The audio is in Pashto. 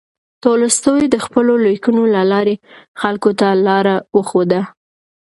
تولستوی د خپلو لیکنو له لارې خلکو ته لاره وښوده.